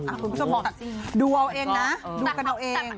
คุณผู้ชมดูเอาเองนะดูกันเอาเอง